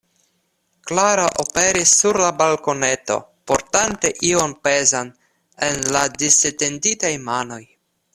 Klaro aperis sur la balkoneto, portante ion pezan en la disetenditaj manoj.